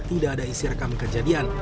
tidak ada isi rekam kejadian